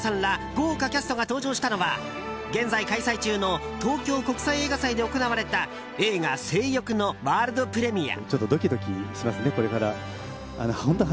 豪華キャストが登場したのは現在開催中の東京国際映画祭で行われた映画「正欲」のワールドプレミア。